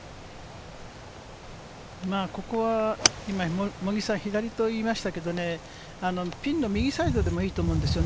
ここは今、茂木さんが左と言いましたけれどね、ピンの右サイドでもいいと思うんですよ。